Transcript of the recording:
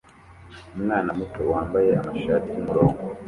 Umwana muto wambaye amashati yumurongo